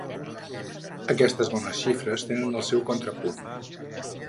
Aquestes bones xifres tenen el seu contrapunt.